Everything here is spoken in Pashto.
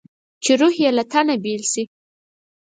چې روح یې له تنه بېل شي.